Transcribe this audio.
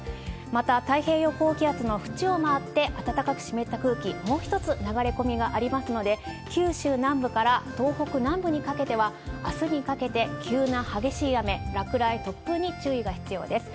また、太平洋高気圧の縁を回って暖かく湿った空気、もう一つ流れ込みがありますので、九州南部から東北南部にかけては、あすにかけて急な激しい雨、落雷、突風に注意が必要です。